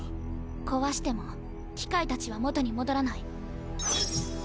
壊しても機械たちは元に戻らない。